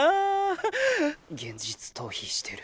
現実逃避してる。